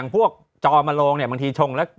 พวกจอมาโลงเนี่ยบางทีชงแล้ว